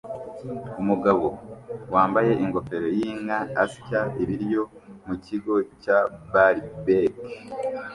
Umugabo wambaye ingofero yinka asya ibiryo mukigo cya bar-b-que